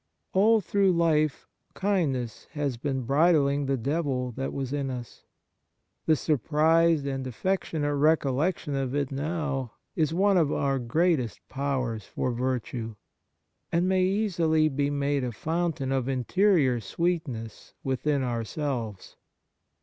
All through life kindness has been bridling the devil that was in us. The surprised and affectionate recollection of it now is one of our greatest powers for virtue, and may easily be made a fountain of interior sweet ness within ourselves.